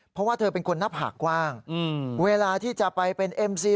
เพราะว่าเธอเป็นคนหน้าผากกว้างเวลาที่จะไปเป็นเอ็มซี